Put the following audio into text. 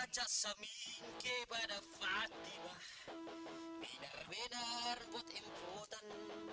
jasamin kepada fatimah benar benar buat imputan